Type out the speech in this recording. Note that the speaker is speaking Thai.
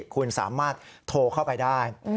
คุณสามารถโทรเข้าไปได้